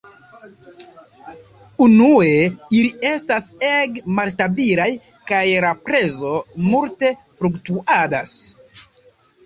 Unue, ili estas ege malstabilaj, kaj la prezo multe fluktuadas.